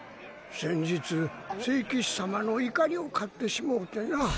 先日聖騎士様の怒りを買ってしもうてな。